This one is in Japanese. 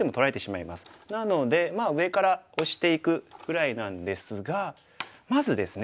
なので上からオシていくぐらいなんですがまずですね